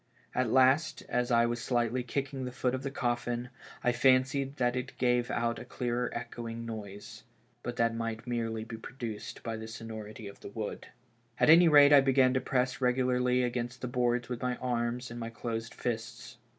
At last, as I was BURIED ALIVE. 269 slightly kicking the foot of the coffin, I fancied that it gave out a clearer echoing noise; but that might merely be produced by the sonority of the wood. At any rate I began to press regularly against the boards with my arms and my closed fists.